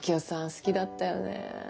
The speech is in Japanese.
好きだったよね。